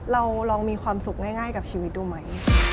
เราลองมีความสุขง่ายกับชีวิตดูไหม